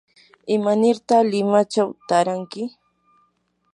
¿imanirta limachaw taaranki?